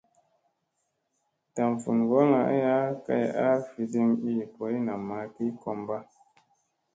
Dam vun ŋgolla aya kay a viɗim ii boy mamma ki komɓa.